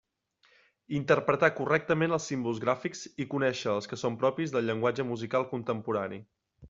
Interpretar correctament els símbols gràfics i conéixer els que són propis del llenguatge musical contemporani.